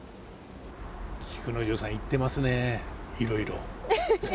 菊之丞さん言ってますねいろいろ。